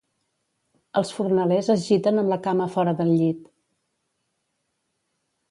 Els fornalers es giten amb la cama fora del llit.